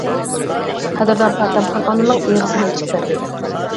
قەدىردان پاتەمخان ئانىنىڭ ئېغىزىنى ئېچىپ بەردى.